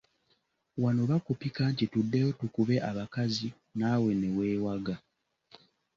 Wano bakupika nti tuddeyo tukube abakazi naawe ne weewaga.